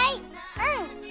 うん！